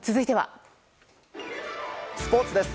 スポーツです。